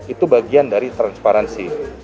itu bagian dari transparansi